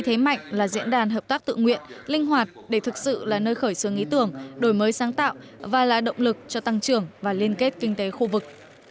thế mạnh là diễn đàn hợp tác tự nguyện linh hoạt để thực sự là nơi khởi xướng ý tưởng đổi mới sáng tạo và là động lực cho tăng trưởng và liên kết kinh tế khu vực